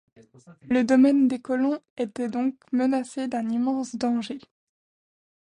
Le domaine des colons était donc menacé d’un immense danger